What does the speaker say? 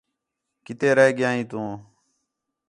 کِتے رہ ڳیا ھیں تُو